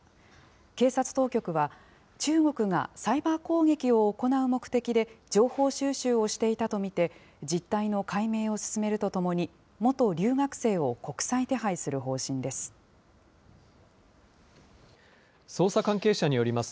警察当局は、中国がサイバー攻撃を行う目的で情報収集をしていたと見て、実態の解明を進めるとともに、元留学生を国際手配する方針です。